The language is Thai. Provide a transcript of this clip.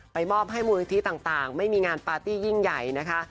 มอบให้มูลนิธิต่างไม่มีงานปาร์ตี้ยิ่งใหญ่นะคะ